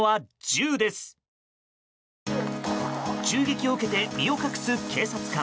銃撃を受けて、身を隠す警察官。